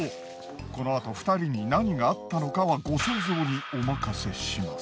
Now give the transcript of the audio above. このあと２人に何があったのかはご想像にお任せします。